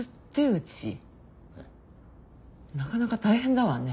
なかなか大変だわね。